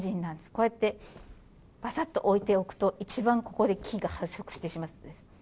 こうやってバサッと置いておくと一番ここで菌が繁殖します。